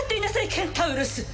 ケンタウルス